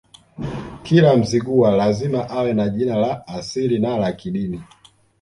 Kila Mzigua lazima awe na jina la asili na la kidini